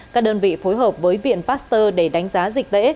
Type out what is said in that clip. các đơn vị phối hợp với viện pasteur để đánh giá dịch tễ